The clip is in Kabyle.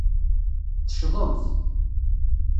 Teccḍemt.